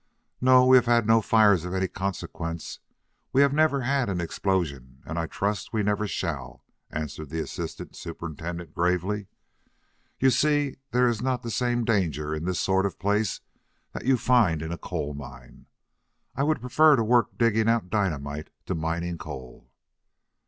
"No, we have no fires of any consequence. We have never had an explosion and I trust we never shall," answered the assistant superintendent gravely. "You see there is not the same danger in this sort of place that you find in a coal mine. I would prefer to work digging out dynamite to mining coal."